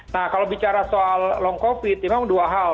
nah kalau bicara soal long covid memang dua hal